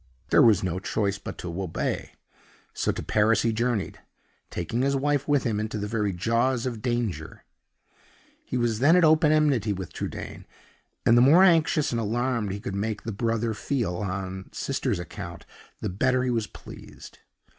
There was no choice but to obey. So to Paris he journeyed, taking his wife with him into the very jaws of danger. He was then at open enmity with Trudaine; and the more anxious and alarmed he could make the brother feel on the sister's account, the better he was pleased.